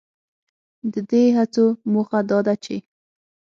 ددې هڅو موخه دا ده چې